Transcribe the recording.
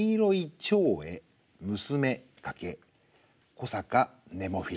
古坂ネモフィラ。